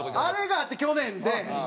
あれがあって去年で。